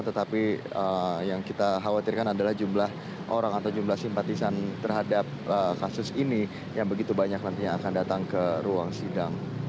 tetapi yang kita khawatirkan adalah jumlah orang atau jumlah simpatisan terhadap kasus ini yang begitu banyak nanti yang akan datang ke ruang sidang